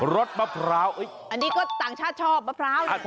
สมะพร้าวอันนี้ก็ต่างชาติชอบมะพร้าว